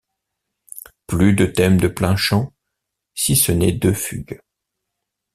Plus de thème de plain-chant, si ce n'est deux fugues.